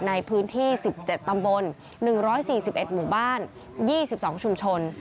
ในพื้นที่๑๗ตำบล๑๔๑หมู่บ้าน๒๒ชุมชน